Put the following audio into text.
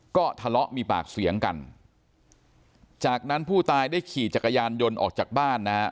ก็ทะเลาะมีปากเสียงกันจากนั้นผู้ตายได้ขี่จักรยานยนต์ออกจากบ้านนะฮะ